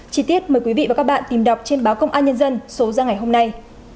chí tiết mời quý vị và các bạn tìm đọc trên báo công an nhân dân số ra ngày hôm nay